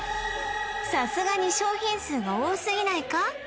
さすがに商品数が多すぎないか？